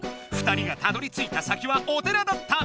２人がたどりついた先はお寺だった。